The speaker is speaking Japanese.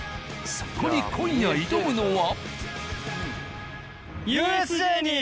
そこに今夜挑むのは。